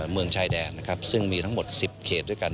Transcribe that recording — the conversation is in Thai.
เมืองชายแดนนะครับซึ่งมีทั้งหมด๑๐เขตด้วยกัน